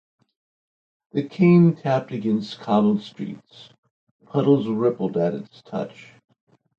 The cane tapped against cobbled streets, puddles rippled at its touch.